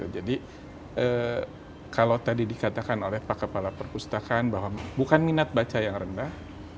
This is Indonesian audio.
kalau tadi dikatakan oleh pak kepala perpustakaan bahwa bukan minat baca yang rendah